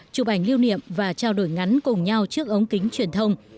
chụp ảnh lưu niệm và trao đổi ngắn cùng nhau trước ống kính truyền thông